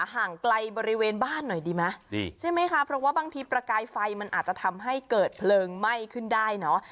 ห่างไกลบริเวณบ้านหน่อยดีไหมใช่ไหมคะเพราะว่าบางทีประกายไฟมันอาจจะทำให้เกิดเพลิงไหม้ขึ้นได้เนอะ